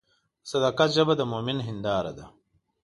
د صداقت ژبه د مؤمن هنداره ده.